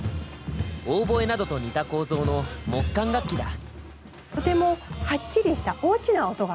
オーボエなどと似た構造の木管楽器だ。